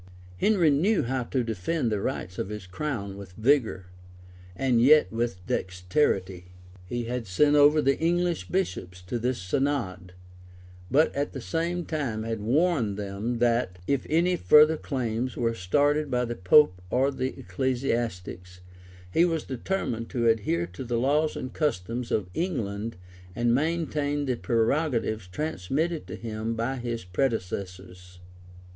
Henry knew how to defend the rights of his crown with vigor, and yet with dexterity. He had sent over the English bishops to this synod; but at the same time had warned them, that, if any further claims were started by the pope or the ecclesiastics, he was determined to adhere to the laws and customs of England and maintain the prerogatives transmitted to him by his predecessors.